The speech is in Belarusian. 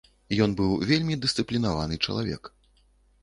Ён быў вельмі дысцыплінаваны чалавек.